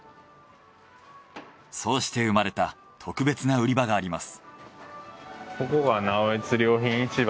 そうして生まれた特別な売り場があります。